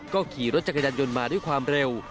ก็ขี่รถจักรยานยนต์มาด้วยความเร็ว